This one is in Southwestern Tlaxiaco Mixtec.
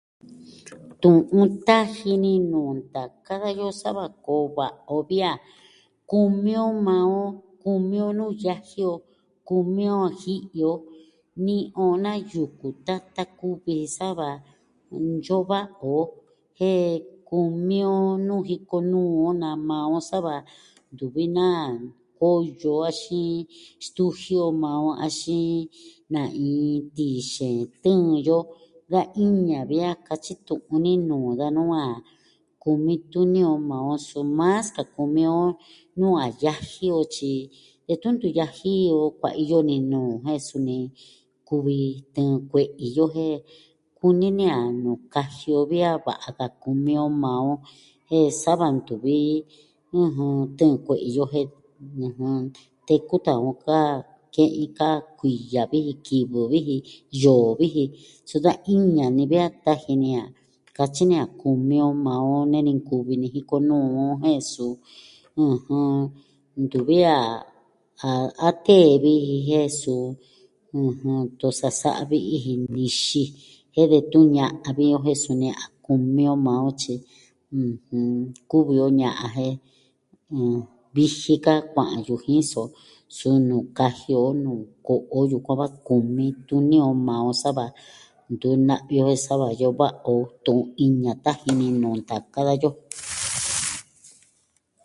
Tu'un taji ni nuu ntaka dayo sa va koo va'a o vi a kumi on maa on kumi on nuu yaji on, kumi on a ji'i o, ni'i on naa yuku tatan kuvi ji sa va iyo va'a o, jen kumi on nuu jiko núu on na maa on sa va ntuvi na koyo axin stujii o maa on, axin na iin tii xeen tɨɨn yo da iña vi a katyi tu'un ni nuu danu a kumi tuni on maa on so mas ka kumi on nuu a yaji o, tyi detun tun yaji o nɨnuu jen suni kuvi tɨɨn kue'i yo jen kuni ni a nuu kaji o vi a va'a ka kumi on maa on, jen sa va ntuvi tɨɨn kue'i yo jen teku tan on ka ke'in ka kuiya viji, kivɨ viji, yoo viji, suu da iña ni va taji ni a katyi ni a kumi on maa on nee ni nkuvi ni jikonuu on, jen su, ntuvi a... a tee viji jen su tosa sa'a vi'i ji nixi jen detun a ña'an vi o jen suni a kumi on maa on, tyi kuvi o ña'an jen viji ka kua'an yujin so suu nuu kaji o nuu ko'o o yukuan va kumi tuni on maa on sa va ntu na'vi o jen sa va iyo va'a o, tu'un iña taji ni nuu ntaka dayo.